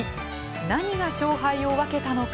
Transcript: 何が勝敗を分けたのか。